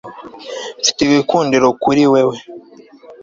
Mfite igikundiro kuri wewe